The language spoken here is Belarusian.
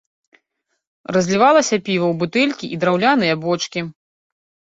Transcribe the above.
Разлівалася піва ў бутэлькі і драўляныя бочкі.